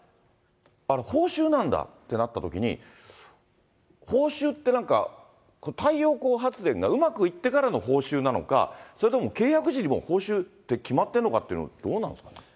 あれ、報酬なんだってなったときに、報酬ってなんか、太陽光発電がうまくいってからの報酬なのか、それとも契約時に報酬って決まってるのかっていうの、どうなんですかね。